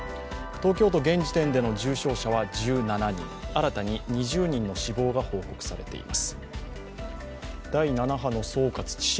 東京都、現時点での重症者は１７人、新たに２０人の死亡が報告されています。